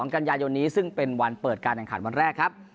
๒๒กันใยยนนี้ซึ่งเป็นวันเปิดกันอันขาดวันแรกครับ